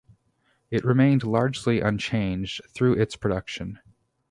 It remained largely unchanged through its production.